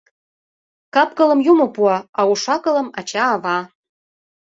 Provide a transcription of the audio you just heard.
Кап-кылым Юмо пуа, а уш-акылым — ача-ава.